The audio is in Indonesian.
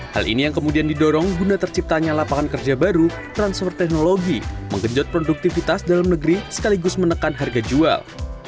hal ini yang kemudian didorong guna terciptanya lapangan kerja baru transfer teknologi menggenjot produktivitas dalam negeri sekaligus menekan harga jual